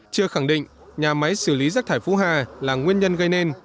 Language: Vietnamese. chưa khẳng định nhà máy xử lý rác thải phú hà là nguyên nhân gây nên